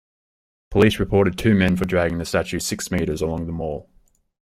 Police reported two men for dragging the statue six metres along the mall.